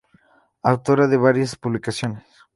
Autora de varias publicaciones.